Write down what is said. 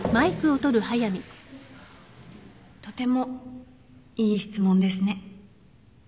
とてもいい質問ですね